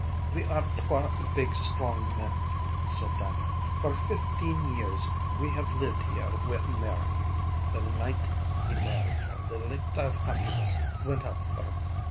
"We are twa big, strong men," said Dannie. "For fifteen years we have lived here wi' Mary. The night ye married her, the licht of happiness went out for me.